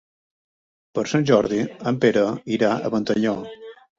Per Sant Jordi en Pere irà a Ventalló.